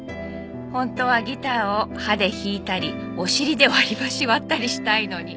「本当はギターを歯で弾いたりお尻で割りばし割ったりしたいのに」